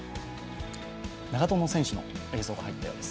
長友選手の映像が入ったようです。